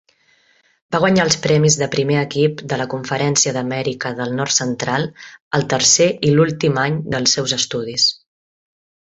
Va guanyar els premis de primer equip de la Conferència d'Amèrica del Nord Central el tercer i l'últim any dels seus estudis.